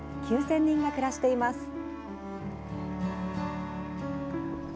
９０００人が暮らしています。